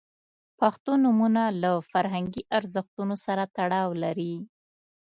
• پښتو نومونه له فرهنګي ارزښتونو سره تړاو لري.